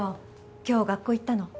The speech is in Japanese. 今日学校行ったの？